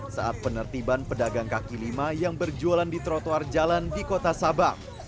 saat penertiban pedagang kaki lima yang berjualan di trotoar jalan di kota sabang